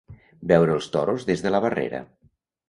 Veure els toros des de la barrera.